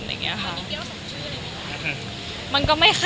คงเลยไม่เยี่ยมในเดียวสักชื่อเลยไม๊ค่ะ